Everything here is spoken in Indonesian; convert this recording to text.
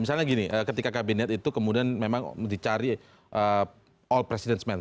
misalnya gini ketika kabinet itu kemudian memang dicari all president men